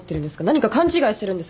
何か勘違いしてるんですか？